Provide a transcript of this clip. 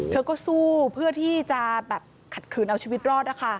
เธอก็สู้เพื่อที่จะแบบขัดขืนเอาชีวิตรอดนะคะ